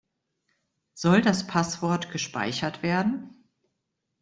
Soll das Passwort gespeichert werden?